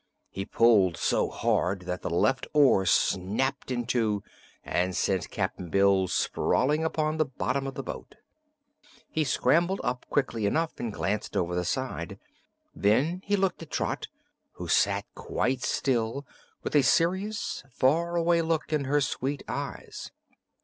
He pulled so hard that the left oar snapped in two and sent Cap'n Bill sprawling upon the bottom of the boat. He scrambled up quickly enough and glanced over the side. Then he looked at Trot, who sat quite still, with a serious, far away look in her sweet eyes.